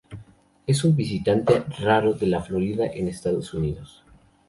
Es un visitante raro de la Florida, en Estados Unidos.